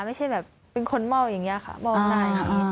ไม่ใช่แบบเป็นคนมอบอย่างนี้ค่ะมอบหน้าอย่างนี้